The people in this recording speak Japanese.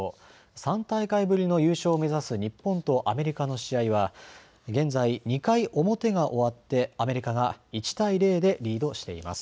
３大会ぶりの優勝を目指す日本とアメリカの試合は現在２回表が終わってアメリカが１対０でリードしています。